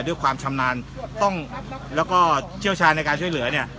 ความชำนาญต้องแล้วก็เชี่ยวชาญในการช่วยเหลือเนี่ย